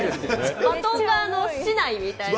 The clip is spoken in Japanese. バトンが竹刀みたいな。